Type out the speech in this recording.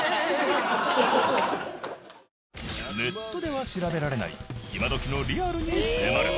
ネットでは調べられない今どきのリアルに迫る！